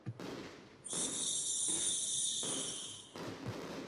Drogue parachutes were used in addition to conventional wheel brakes.